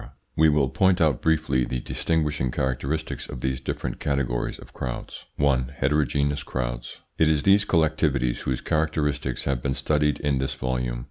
We will point out briefly the distinguishing characteristics of these different categories of crowds. 1. HETEROGENEOUS CROWDS It is these collectivities whose characteristics have been studied in this volume.